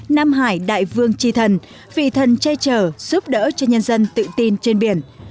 nam hải đại vương tri thần vị thần che chở giúp đỡ cho nhân dân tự tin trên biển